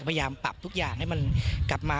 พยายามปรับทุกอย่างให้มันกลับมา